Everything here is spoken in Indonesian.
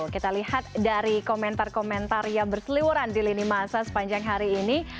kita lihat dari komentar komentar yang berseliwaran di lini masa sepanjang hari ini